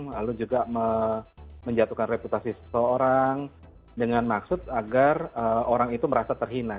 lalu juga menjatuhkan reputasi seseorang dengan maksud agar orang itu merasa terhina